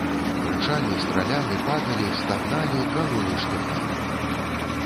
Крычалі, стралялі, падалі, стагналі, калолі штыхамі.